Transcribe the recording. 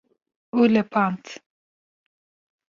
û lepand